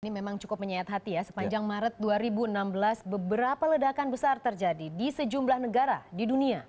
ini memang cukup menyayat hati ya sepanjang maret dua ribu enam belas beberapa ledakan besar terjadi di sejumlah negara di dunia